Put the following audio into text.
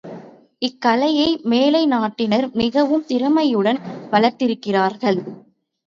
இக்கலையை மேலை நாட்டினர் மிகவும் திறமையுடன் வளர்த்திருக்கிறார்கள்.